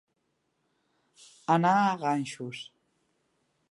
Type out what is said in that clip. Anar a ganxos.